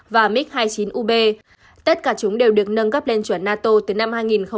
và mic hai mươi chín ub tất cả chúng đều được nâng cấp lên chuẩn nato từ năm hai nghìn một mươi